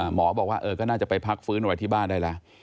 หมอบอกว่าก็น่าจะไปพักฟื้นไว้ที่บ้านได้แล้ว